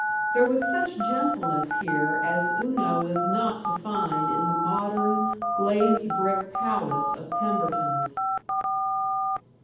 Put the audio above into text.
There was such gentleness here as Una was not to find in the modern, glazed brick palace of Pemberton's.